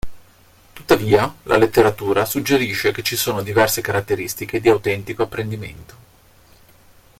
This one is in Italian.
Tuttavia, la letteratura suggerisce che ci sono diverse caratteristiche di autentico apprendimento.